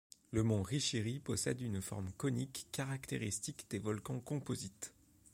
Le mont Rishiri possède une forme conique caractéristique des volcans composites.